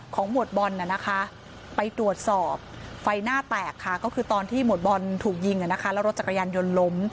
หมวดบอลน่ะนะคะไปตรวจสอบไฟหน้าแตกค่ะก็คือตอนที่หมวดบอลถูกยิงแล้วรถจักรยานยนต์ล้ม